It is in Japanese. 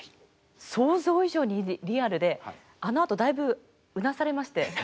想像以上にリアルであのあとだいぶうなされまして。